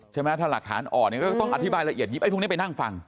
ใช่ไหมถ้าหลักฐานอ่อนเนี่ยก็ต้องอธิบายละเอียดยิบไอ้พวกนี้ไปนั่งฟัง